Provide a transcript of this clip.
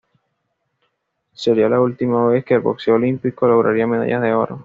Sería la última vez que el boxeo olímpico lograría medallas de oro.